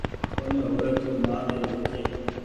او ني هووي تو مآل لين ويچي۔